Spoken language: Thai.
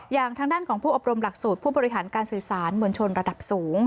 อย่างทางด้านของผู้อบรมหลักสูตรผู้บริหารการสื่อสารมวลชนระดับสูง